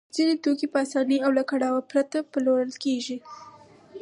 ځینې توکي په اسانۍ او له کړاوه پرته پلورل کېږي